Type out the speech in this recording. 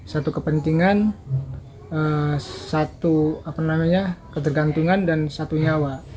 satu kepentingan satu ketergantungan dan satu nyawa